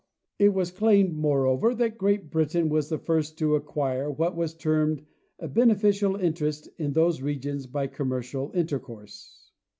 It was claimed, moreover, that Great Britain was the first to acquire what was termed "a beneficial interest in those regions by commercial intercourse."